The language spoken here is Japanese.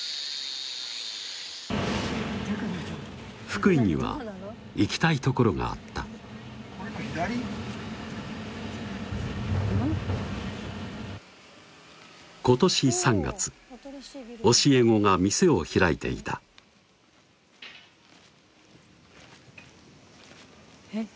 福井には行きたい所があった今年３月教え子が店を開いていたえっ